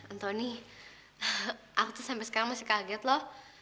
antoni aku tuh sampai sekarang masih kaget loh